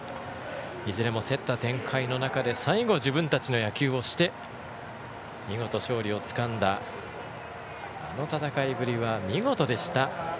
いずれも競った展開の中で最後、自分たちの野球をして見事、勝利をつかんだあの戦いぶりは見事でした